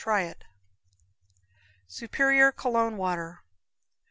Try it. Superior Cologne Water.